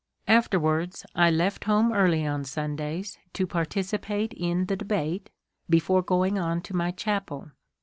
Afterwards I left home early on Sundays to par ticipate in the debate before going on to my chapel.